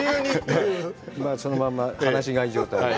そのまま放し飼い状態で。